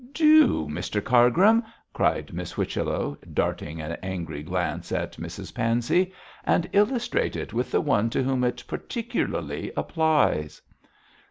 "' 'Do, Mr Cargrim,' cried Miss Whichello, darting an angry glance at Mrs Pansey, 'and illustrate it with the one to whom it particularly applies.'